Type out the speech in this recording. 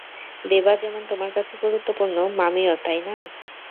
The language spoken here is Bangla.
দেবা যেমন তোমার কাছে গুরুত্বপূর্ণ, মামিও তাই না।